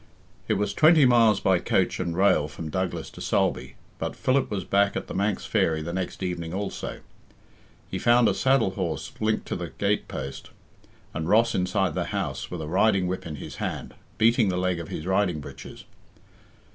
It was twenty miles by coach and rail from Douglas to Sulby, but Philip was back at "The Manx Fairy" the next evening also. He found a saddle horse linked to the gate post and Ross inside the house with a riding whip in his hand, beating the leg of his riding breeches.